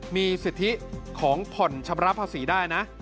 มีสิทธิของผ่อนชำระภาษีได้นะ